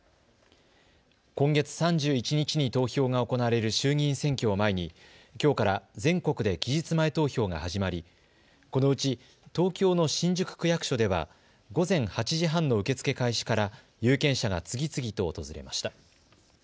今月３１日に投票が行われる衆議院選挙を前にきょうから全国で期日前投票が始まりこのうち東京の新宿区役所では午前８時半の受け付け開始から有権者が次々と訪れました。